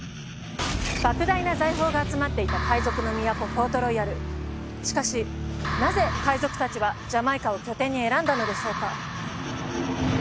莫大な財宝が集まっていた海賊の都ポートロイヤルしかしなぜ海賊達はジャマイカを拠点に選んだのでしょうか？